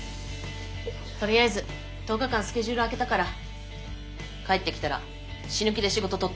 とりあえず１０日間スケジュール空けたから帰ってきたら死ぬ気で仕事取ってくるからね。